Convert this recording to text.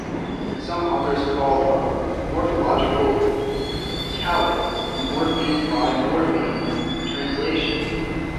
Some authors call a morphological calque a "morpheme-by-morpheme translation".